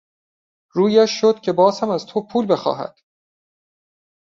رویش شد که باز هم از تو پول بخواهد!